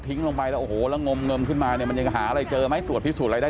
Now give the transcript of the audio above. ลงไปแล้วโอ้โหแล้วงมงมขึ้นมาเนี่ยมันยังหาอะไรเจอไหมตรวจพิสูจนอะไรได้